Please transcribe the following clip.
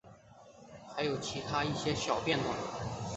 还有其它一些小变动。